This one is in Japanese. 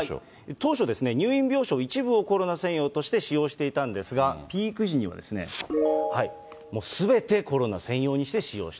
当初、入院病床一部をコロナ病床として使用していたんですが、ピーク時には、もうすべてコロナ専用にして使用した。